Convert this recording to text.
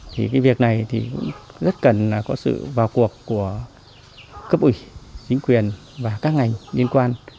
thì cái việc này thì rất cần có sự vào cuộc của cấp ủy chính quyền và các ngành liên quan